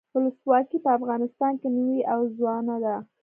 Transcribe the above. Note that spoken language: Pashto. ولسواکي په افغانستان کې نوي او ځوانه ده.